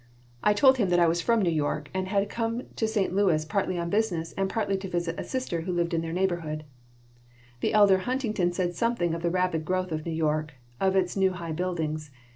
I told them that I was from New York and that I had come to St. Louis partly on business and partly to visit a sister who lived in their neighborhood. The elder Huntington said something of the rapid growth of New York, of its new high buildings.